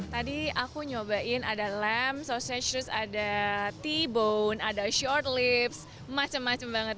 tadi aku nyobain ada lamb sausage ada t bone ada short lips macam macam banget